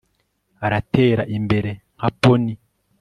aratera imbere nka pony